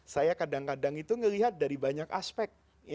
saya kadang kadang itu ngelihat dari banyak aspek